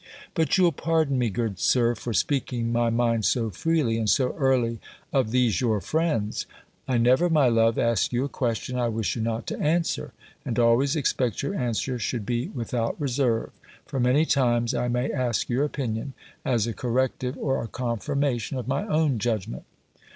"But you'll pardon me, good Sir, for speaking my mind so freely, and so early of these your friends." "I never, my love, ask you a question, I wish you not to answer; and always expect your answer should be without reserve; for many times I may ask your opinion, as a corrective or a confirmation of my own judgment."